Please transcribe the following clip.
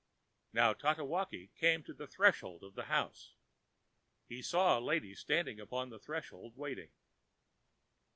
Now Tatewaki came to the threshold of the house. He saw a lady standing upon the threshold waiting.